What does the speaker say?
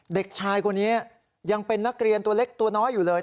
เด็กชายคนนี้ยังเป็นนักเรียนตัวเล็กตัวน้อยอยู่เลย